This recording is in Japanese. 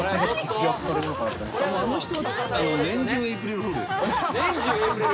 あの人は、年中エイプリルフールですね。